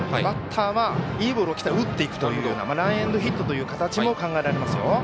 バッターはいいボールが来たら打っていくというようなランエンドヒットという形も考えられますよ。